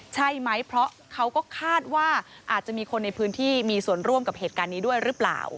ใช่ไหมเพราะเขาก็คาดว่าอาจจะมีคนในพื้นที่มีส่วนร่วมกับเหตุการณ์นี้ด้วยหรือเปล่า